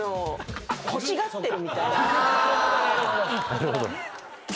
なるほど。